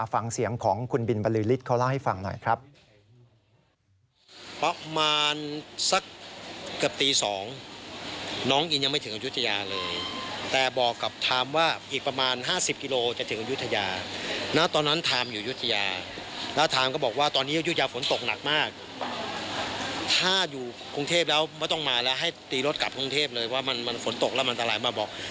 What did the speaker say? ฟังเสียงของคุณบินบริษฐ์เขาเล่าให้ฟังหน่อยครับ